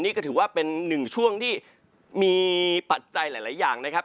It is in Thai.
นี่ก็ถือว่าเป็นหนึ่งช่วงที่มีปัจจัยหลายอย่างนะครับ